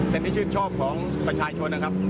เป็นที่ชื่นชอบของประชาชน